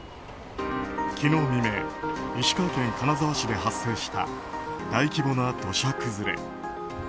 昨日未明石川県金沢市で発生した大規模な土砂崩れ。